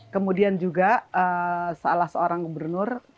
kemudian juga salah seorang gubernur